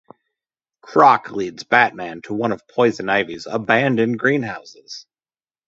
Croc leads Batman to one of Poison Ivy's abandoned greenhouses.